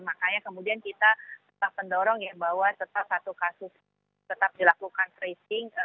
makanya kemudian kita tetap mendorong ya bahwa tetap satu kasus tetap dilakukan tracing